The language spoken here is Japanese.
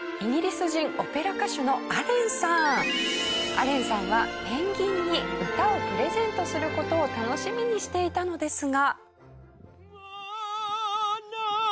アレンさんはペンギンに歌をプレゼントする事を楽しみにしていたのですが。